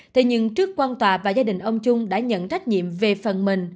thế nhưng trước quan tòa và gia đình ông trung đã nhận trách nhiệm về phần mình